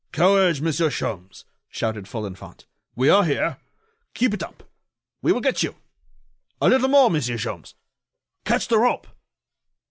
"Courage, Monsieur Sholmes," shouted Folenfant; "we are here. Keep it up ... we will get you ... a little more, Monsieur Sholmes ... catch the rope."